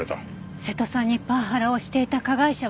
瀬戸さんにパワハラをしていた加害者は誰なんだろう？